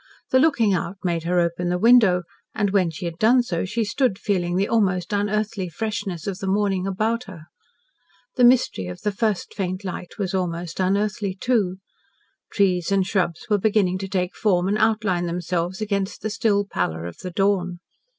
The looking out made her open the window, and when she had done so she stood feeling the almost unearthly freshness of the morning about her. The mystery of the first faint light was almost unearthly, too. Trees and shrubs were beginning to take form and outline themselves against the still pallor of the dawn.